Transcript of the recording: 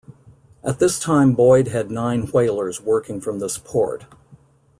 At this time Boyd had nine whalers working from this port.